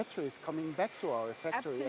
akan kembali ke pejabat kami